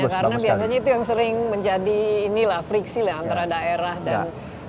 karena biasanya itu yang sering menjadi ini lah friksi antara daerah dan pusat